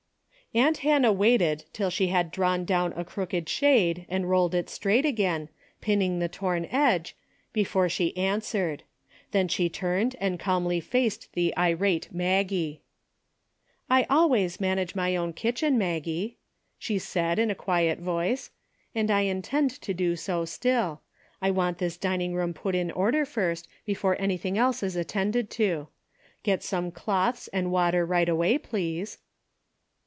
Aunt Hannah waited till she had drawn down a crooked shade and rolled it straight again, pinning the torn edge, before she an swered. Then she turned and calmly faced the irate Maggie. " I always manage my own kitchen, Mag gie," she said, in a quiet voice, "and I intend to do so still. I want this dining room put in order first, before anything else is attended to. Get some cloths and hot water right away, please."